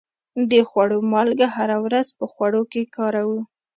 د خوړو مالګه هره ورځ په خوړو کې کاروو.